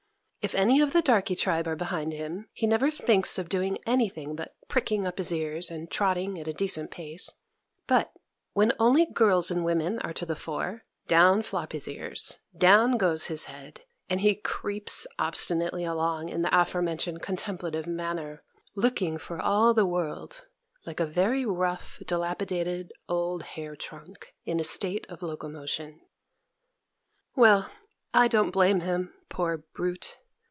If any of the darky tribe are behind him, he never thinks of doing any thing but pricking up his ears, and trotting at a decent pace; but, when only girls and women are to the fore, down flop his ears, down goes his head, and he creeps obstinately along in the aforementioned contemplative manner, looking, for all the world, like a very rough, dilapidated old hair trunk in a state of locomotion. Well, I don't blame him, poor brute!